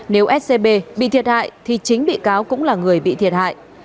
nếu scb bị thiệt hại thì chính bị cáo cũng là người bị thiệt hại